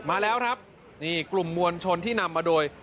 มาแล้วครับนี่กลุ่มมวลชนที่นำมาโดย